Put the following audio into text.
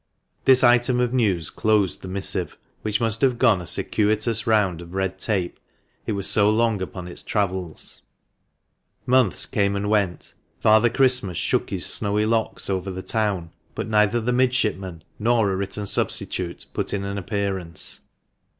This item of news closed the missive, which must have gone a circuitous round of red tape it was so long upon its travels. Months came and went ; Father Christmas shook his snowy locks over the town ; but neither the midshipman nor a written substitute put in an appearance.